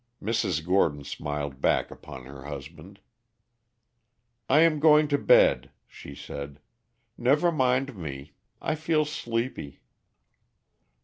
Mrs. Gordon smiled back upon her husband. "I am going to bed," she said. "Never mind me. I feel sleepy."